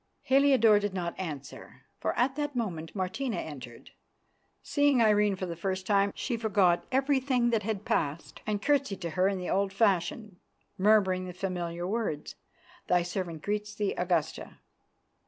Heliodore did not answer, for at that moment Martina entered. Seeing Irene for the first time, she forgot everything that had passed and curtseyed to her in the old fashion, murmuring the familiar words, "Thy servant greets thee, Augusta."